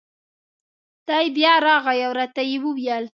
دی بیا راغی او را ته یې وویل: